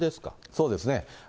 そうですね。